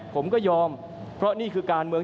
ผมก็ยอมเพราะนี่คือการเมือง